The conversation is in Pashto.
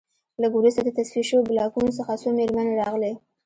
لږ وروسته د تصفیه شویو بلاکونو څخه څو مېرمنې راغلې